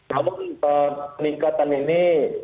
namun peningkatan ini